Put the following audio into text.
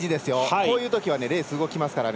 こういうときはレース動きますからね。